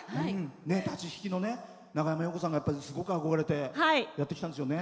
立ち弾きの長山洋子さんにすごく憧れてやってきたんですよね。